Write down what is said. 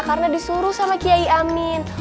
karena disuruh sama kiai amin